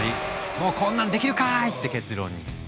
もうこんなんできるかい！って結論に。